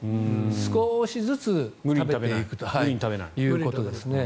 少しずつ食べていくということですね。